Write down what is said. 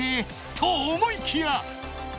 ［と思いきや］